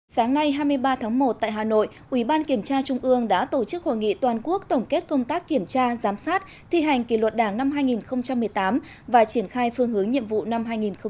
sáng nay hai mươi ba tháng một tại hà nội ủy ban kiểm tra trung ương đã tổ chức hội nghị toàn quốc tổng kết công tác kiểm tra giám sát thi hành kỷ luật đảng năm hai nghìn một mươi tám và triển khai phương hướng nhiệm vụ năm hai nghìn một mươi chín